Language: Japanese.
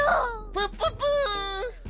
プッププ！